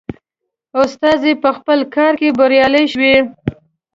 استازی په خپل کار کې بریالی شوی.